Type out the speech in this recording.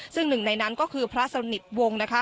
ซึ่งหนึ่งในนั้นก็คือพระสนิทวงศ์นะคะ